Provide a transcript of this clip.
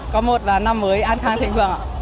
có một là năm mới an khang thịnh vượng ạ